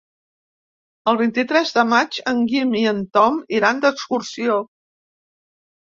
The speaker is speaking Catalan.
El vint-i-tres de maig en Guim i en Tom iran d'excursió.